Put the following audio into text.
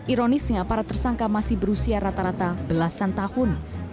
ironisnya para tersangka masih berusia rata rata belasan tahun